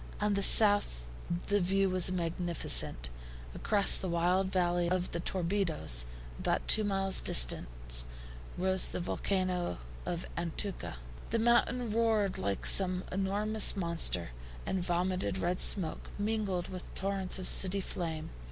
On the south the view was magnificent. Across the wild valley of the Torbido, about two miles distant, rose the volcano of Antuco. The mountain roared like some enormous monster, and vomited red smoke, mingled with torrents of sooty flame.